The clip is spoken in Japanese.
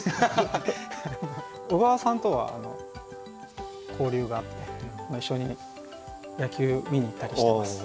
小川さんとは交流があって一緒に野球見に行ったりしてます。